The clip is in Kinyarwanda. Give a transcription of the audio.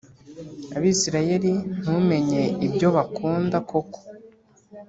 Abisirayeli ntumenye ibyo bakunda koko